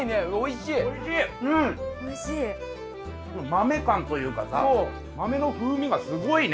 豆感というかさ豆の風味がすごいね。